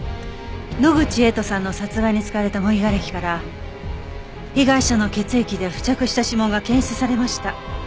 野口栄斗さんの殺害に使われた模擬瓦礫から被害者の血液で付着した指紋が検出されました。